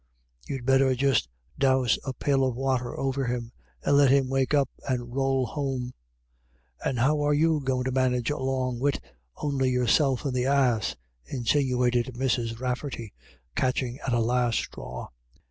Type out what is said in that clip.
You'd better just dowse a pail of water over him, and let him wake up and rowl home." " And how are you goin* to manage along wid on'y yourself and the ass ?" insinuated Mrs. Rafferty, catching at a last straw.